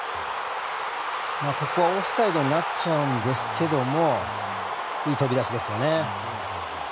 ここはオフサイドになっちゃうんですけれどもいい飛び出しですよね。